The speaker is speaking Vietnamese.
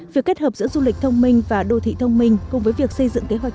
việc kết hợp giữa du lịch thông minh và đô thị thông minh cùng với việc xây dựng kế hoạch